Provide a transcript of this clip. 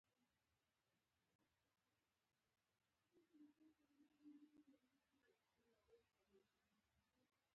د کابل په کلکان کې د ګرانیټ نښې شته.